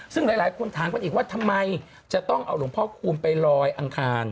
ซึ่งหลายคนถามกันอีกว่าทำไมจะต้องเอาหลวงพ่อคูณไปลอยอังคาร